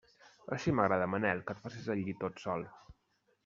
Així m'agrada, Manel, que et facis el llit tot sol.